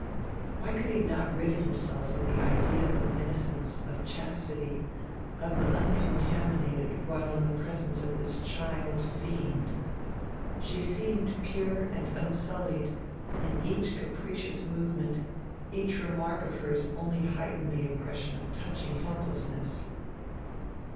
Why could he not rid himself of the idea of innocence, of chastity, of the uncontaminated while in the presence of this child fiend? She seemed pure and unsullied, and each capricious movement, each remark of hers only heightened the impression of touching helplessness.